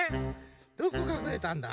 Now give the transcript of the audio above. どこかくれたんだ？